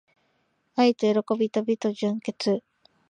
愛と喜びと美と純潔